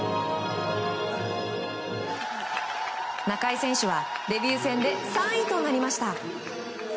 中井選手はデビュー戦で３位となりました。